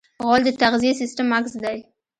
غول د تغذیې سیستم عکس دی.